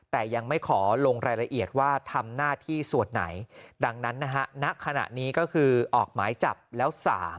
แต่ยังไม่ขอลงรายละเอียดว่าทำหน้าที่ส่วนไหนดังนั้นนะฮะณขณะนี้ก็คือออกหมายจับแล้ว๓